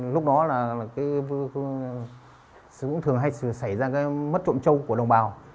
lúc đó là thường hay xảy ra mất trộm châu của đồng bào